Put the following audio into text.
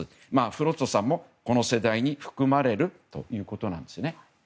フロストさんもこの人たちに含まれるということですね。